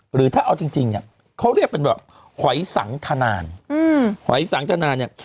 หรือถ้าเอาจริงเนี่ยเขาเรียกเป็นแบบหอยสังทนานหอยสังทนาเนี่ย